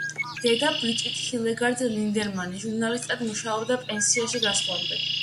დედა, ბრიჯიტ ჰილდეგარდ ლინდემანი, ჟურნალისტად მუშაობდა პენსიაში გასვლამდე.